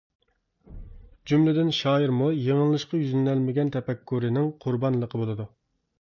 جۈملىدىن شائىرمۇ يېڭىلىنىشقا يۈزلىنەلمىگەن تەپەككۇرىنىڭ قۇربانلىقى بولىدۇ.